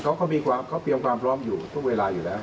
เขาก็มีการเตรียมความพร้อมอยู่ทั่วเวลาอยู่แล้วนะครับ